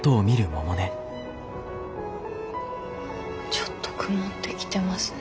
ちょっと曇ってきてますね。